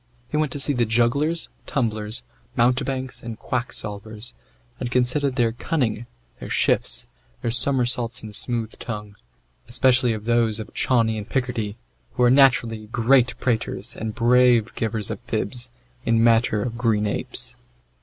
He went to see the jugglers, tumblers, mountebanks, and quacksalvers, and considered their cunning, their shifts, their somersaults and smooth tongue, especially of those of Chauny in Picardy, who are naturally great praters, and brave givers of fibs, in matter of green apes.